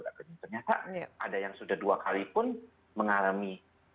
ternyata ada yang sudah dua kalipun mengalami kebal